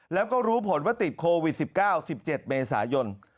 แล้วก็รู้ผลว่าติดโควิด๑๙๑๗เมษายน